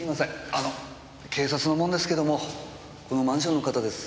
あの警察の者ですけどもこのマンションの方ですよね？